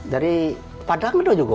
dari padang itu juga